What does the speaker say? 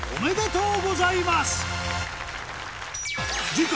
次回